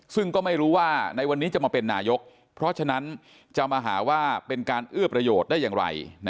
ซึ่งก็ไม่รู้ว่าในวันนี้จะมาเป็นนายกเพราะฉะนั้นจะมาหาว่าเป็นการเอื้อประโยชน์ได้อย่างไร